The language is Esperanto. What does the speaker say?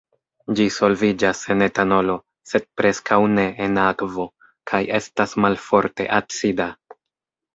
Ĝi solviĝas en etanolo, sed preskaŭ ne en akvo, kaj estas malforte acida.